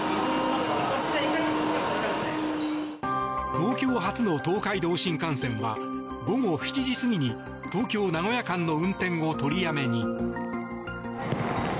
東京発の東海道新幹線は午後７時過ぎに東京名古屋間の運転を取りやめに。